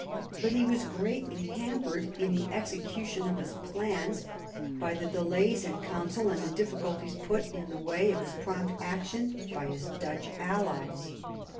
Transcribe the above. But he was greatly hampered in the execution of his plans by the delays in council and the difficulties put in the way of his prompt action by his Dutch allies.